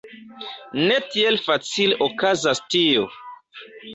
Ne tiel facile okazas tio!